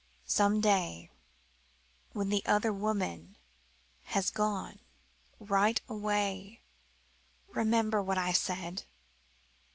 "Some day when the other woman has gone right away remember what I said.